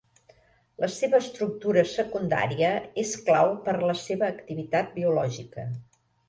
La seva estructura secundària és clau per a la seva activitat biològica.